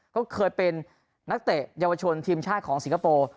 ก็เคยเป็นนักเตะเยาวชนทีมชาติของสิงคโปร์